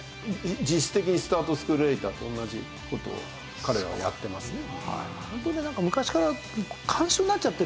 実質的にスタート・スクール・レイターと同じ事を彼らはやってますね。